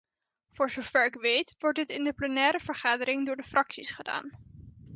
Voor zover ik weet wordt dit in de plenaire vergadering door de fracties gedaan.